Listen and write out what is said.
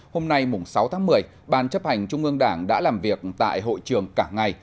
hôm nay sáu tháng một mươi ban chấp hành trung ương đảng đã làm việc tại hội trường cả ngày